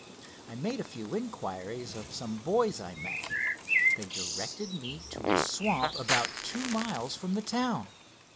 I made a few inquiries of some boys I met. They directed me to a swamp about two miles from the town.